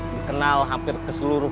dikenal hampir ke seluruh